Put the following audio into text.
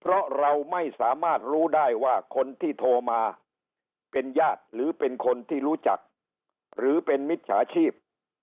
เพราะเราไม่สามารถรู้ได้ว่าคนที่โทรมาเป็นญาติหรือเป็นคนที่รู้จักหรือเป็นมิจฉาชีพ